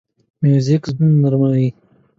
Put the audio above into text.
موزیک زړونه نرمه وي.